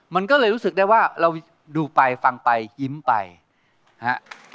มันก็เลยรู้สึกได้ว่าเราดูไปฟังไปยิ้มไปนะฮะ